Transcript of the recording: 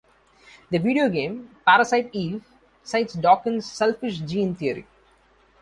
The videogame, "Parasite Eve", cites Dawkins's Selfish Gene Theory.